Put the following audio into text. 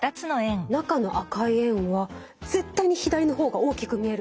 中の赤い円は絶対に左の方が大きく見える。